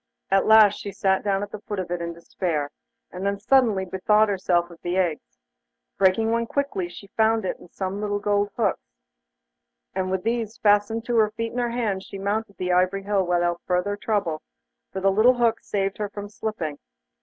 At last she sat down at the foot of it in despair, and then suddenly bethought herself of the eggs. Breaking one quickly, she found in it some little gold hooks, and with these fastened to her feet and hands, she mounted the ivory hill without further trouble, for the little hooks saved her from slipping.